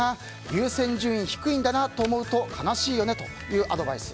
優先順位低いんだなと思うと悲しいよねというアドバイス。